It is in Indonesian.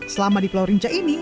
selama di pulau rinca ini